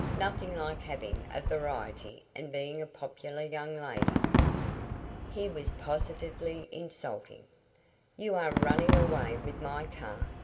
Nothing like having a variety and being a popular young lady." He was positively insulting. "You are running away with my car!"